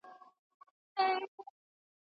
څوک غواړي چې د دې لوبې کپتان شي؟